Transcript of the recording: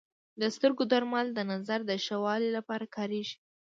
د سترګو درمل د نظر د ښه والي لپاره کارېږي.